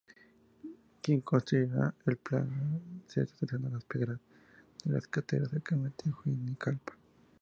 Quien construiría un palacete utilizando las piedras de las canteras cercanas a Tegucigalpa.